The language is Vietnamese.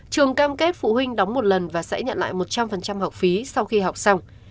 trường cam kết phụ huynh đóng một lần và sẽ nhận lại một trăm linh học phí sau khi học xong